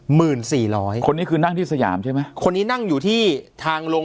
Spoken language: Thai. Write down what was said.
หมื่นสี่ร้อยคนนี้คือนั่งที่สยามใช่ไหมคนนี้นั่งอยู่ที่ทางลง